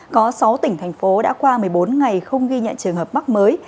có sáu tỉnh thành phố đã qua một mươi bốn ngày không ghi nhận trường hợp mắc mới